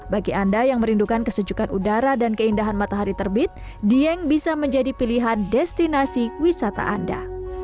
bagi anda yang merindukan kesejukan udara dan keindahan matahari terbit dieng bisa menjadi pilihan destinasi wisata anda